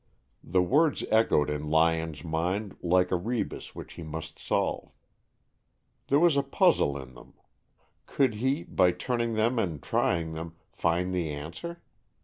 The words echoed in Lyon's mind like a rebus which he must solve. There was a puzzle in them. Could he, by turning them and trying them, find the answer?